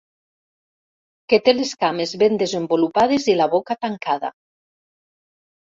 Que té les cames ben desenvolupades i la boca tancada.